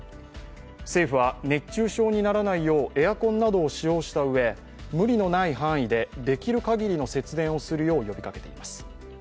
政府は、熱中症にならないようエアコンなどを使用したうえ、無理のない範囲でできる限りの節電をするよう呼びかけています。